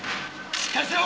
しっかりしろ！